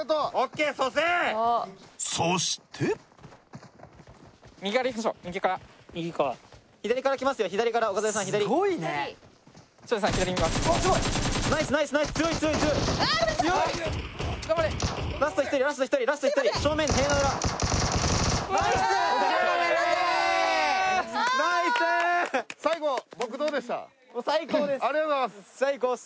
ありがとうございます。